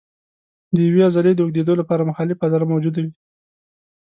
د یوې عضلې د اوږدېدو لپاره مخالفه عضله موجوده وي.